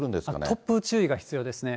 突風、注意が必要ですね。